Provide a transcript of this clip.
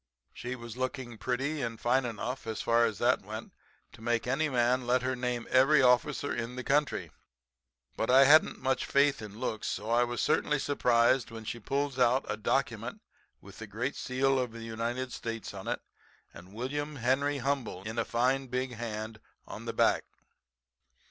She was looking pretty and fine enough, as far as that went, to make any man let her name every officer in the country. But I hadn't much faith in looks, so I was certainly surprised when she pulls out a document with the great seal of the United States on it, and 'William Henry Humble' in a fine, big hand on the back.